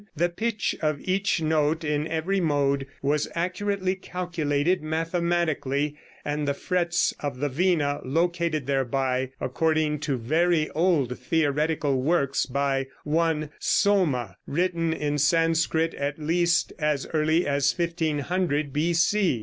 The pitch of each note in every mode was accurately calculated mathematically, and the frets of the vina located thereby, according to very old theoretical works by one Soma, written in Sanskrit at least as early as 1500 B.C.